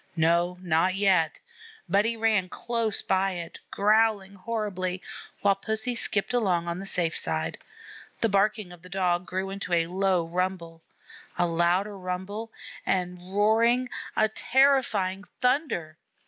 No, not yet! but he ran close by it, growling horribly, while Pussy skipped along on the safe side. The barking of the Dog grew into a low rumble a louder rumble and roaring a terrifying thunder.